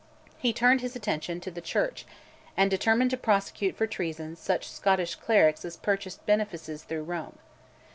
He turned his attention to the Church, and determined to prosecute for treason such Scottish clerics as purchased benefices through Rome.